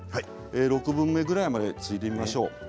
６分目ぐらいまでついでみましょう。